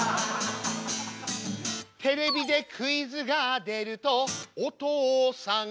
「テレビでクイズが出るとお父さんが」